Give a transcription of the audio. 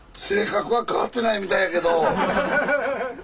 性格は変わってないみたいやけど。